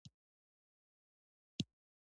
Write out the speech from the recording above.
د دې نظامي عملیاتو په اړه رسنیو ته دروغ وايي؟